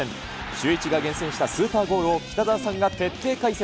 シューイチが厳選したスーパーゴールを、北澤さんが徹底解説。